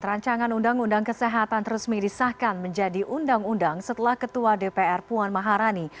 rancangan undang undang kesehatan resmi disahkan menjadi undang undang setelah ketua dpr puan maharani